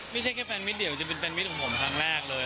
ไม่ใช่แค่แฟนมิตเดี๋ยวจะเป็นแฟนมิตของผมครั้งแรกเลย